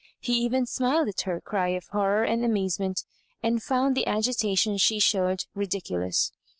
He even smiled at her cry of horror and amazement, and found the agi tation she showed ridiculous.